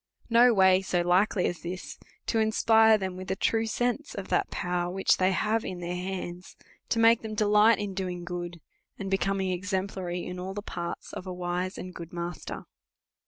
No way so likely as this, to inspire him with a true sense of that power which they have in their hands, to make them delight in doing good, and becoming exemplary in all the parts of a wise and good master.